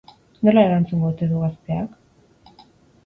Nola erantzungo ote du gazteak?